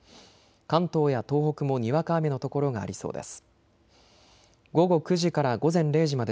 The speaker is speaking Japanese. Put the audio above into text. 関東や東北もにわか雨の所がありそうです。